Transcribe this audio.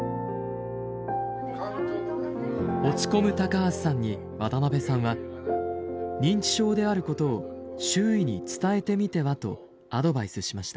落ち込む高橋さんに渡邊さんは認知症であることを周囲に伝えてみてはとアドバイスしました。